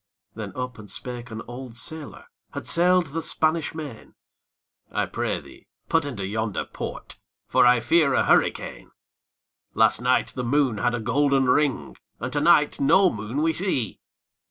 Then up and spake an old sailòr, Had sail'd the Spanish Main, 'I pray thee, put into yonder port, For I fear a hurricane. 'Last night, the moon had a golden ring, And to night no moon we see!'